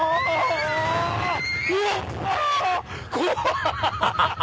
アハハハハ！